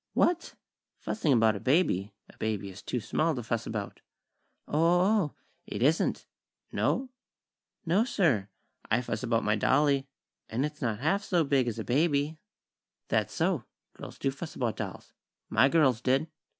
"What? Fussing about a baby? A baby is too small to fuss about." "O o o o! It isn't!!" "No?" "No, sir. I fuss about my dolly, an' it's not half so big as a baby." "That's so. Girls do fuss about dolls. My girls did."